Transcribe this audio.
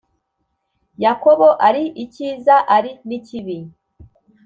Yakobo ari icyiza ari n ikibi